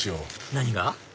何が？